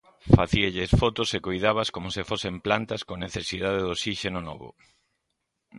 Facíalles fotos e coidábaas como se fosen plantas con necesidade de osíxeno novo.